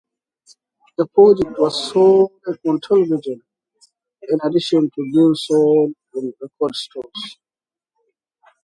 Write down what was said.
The project was sold on television in addition to being sold in record stores.